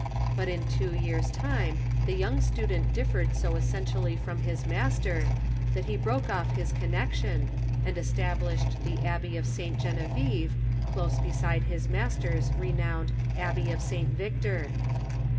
But in two years' time the young student differed so essentially from his master that he broke off his connection, and established the Abbey of St. Genevieve close beside his master's renowned Abbey of St. Victor.